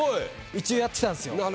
一応やってたんすよ。